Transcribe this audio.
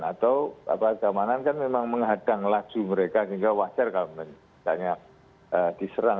atau keamanan kan memang menghadang laju mereka sehingga wajar kalau misalnya diserang